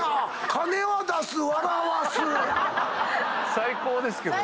最高ですけどね。